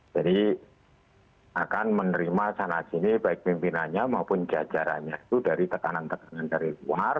jadi akan menerima sana sini baik pimpinannya maupun jajarannya itu dari tekanan tekanan dari luar